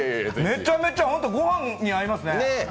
めちゃめちゃ、ご飯に合いますね。